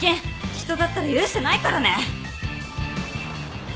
人だったら許してないからね！